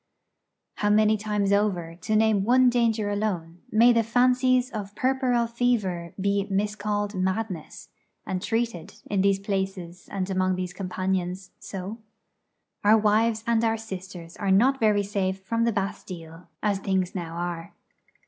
How many times over, to name one danger alone, may the fancies of puerperal fever be miscalled madness, and treated in these places and among these companions so? Our wives and our sisters are not very safe from the Bastille, as things now are.